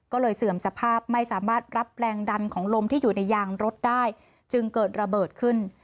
ก็เลยเสื่อมสภาพไม่สามารถรับแรงดันของลมที่อยู่ในยางรถได้จึงเกิดระเบิดขึ้น